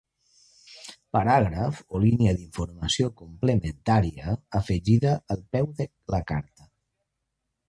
Paràgraf o línia d'informació complementària afegida al peu de la carta.